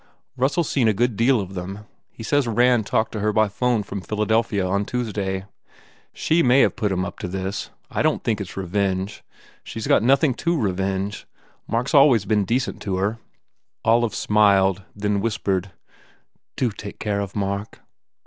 Russell s seen a good deal of them. He says Rand talked to her by phone from Philadelphia on Tuesday. She may have put him up to this. I don t think it s revenge. She s got nothing to revenge. Mark s always been decent to her. n Olive smiled and then whispered, u Do take care of Mark."